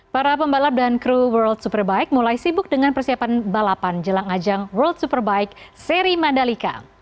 para pembalap dan kru world superbike mulai sibuk dengan persiapan balapan jelang ajang world superbike seri mandalika